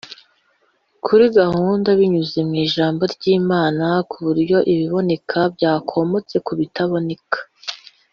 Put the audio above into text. kuri gahunda binyuze ku ijambo ry imana ku buryo ibiboneka byakomotse ku bitaboneka